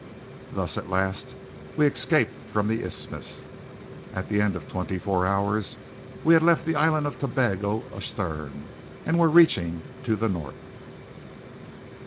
Thus at last we escaped from the Isthmus. At the end of twenty four hours we had left the island of Tobago astern, and were reaching to the north.